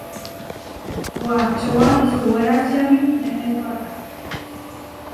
Wačóa suwéračiami neʼnétoata.